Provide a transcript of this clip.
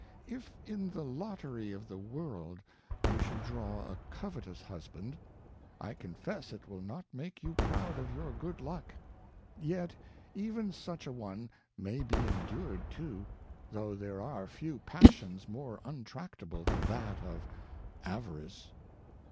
If in the Lottery of the World you should draw a Covetous Husband, I confess it will not make you proud of your good Luck ; yet even such a one may be endured too, though there are few Passions more untractable than that of Avarice.